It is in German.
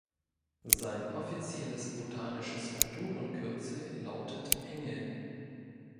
Sein offizielles botanisches Autorenkürzel lautet „Engel“.